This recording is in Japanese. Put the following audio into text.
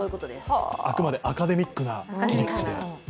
あくまでアカデミックな切り口で。